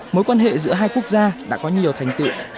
mối quan hệ giữa hai quốc gia đã có nhiều thành tựu